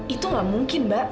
itu gak mungkin mbak